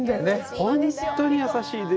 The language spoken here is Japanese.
本当に優しいんです。